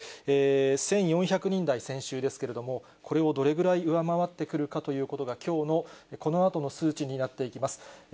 また月曜日は、検査数も少ないということもありまして、１４００人台、先週ですけれども、これをどれぐらい上回ってくるかということが、きょうのこのあとの数値になっていきます。